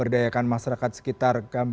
pemberdayakan masyarakat sekitar